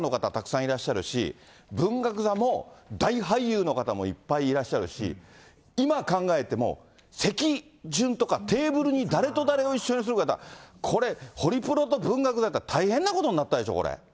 だからこれ、郁恵さん、ホリプロにも大スターの方、たくさんいらっしゃるし、文学座も大俳優の方もいっぱいいらっしゃるし、今考えても、席順とかテーブルに誰と誰を一緒にするか、これ、ホリプロと文学座やったら、大変なことになったでしょ、これ。